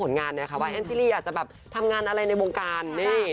ว่าแอนจิลลี่อยากจะทำงานอะไรในวงการ